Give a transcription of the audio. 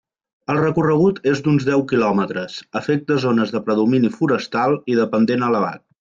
El recorregut és d'uns deu quilòmetres, afecta zones de predomini forestal i de pendent elevat.